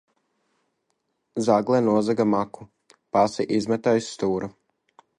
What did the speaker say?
Zagle nozaga maku. Pasi izmeta aiz stūra.